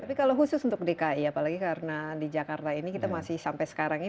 tapi kalau khusus untuk dki apalagi karena di jakarta ini kita masih sampai sekarang ini